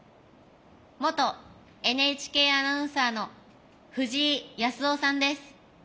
元ＮＨＫアナウンサーの藤井康生さんです。